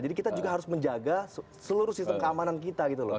jadi kita juga harus menjaga seluruh sistem keamanan kita gitu loh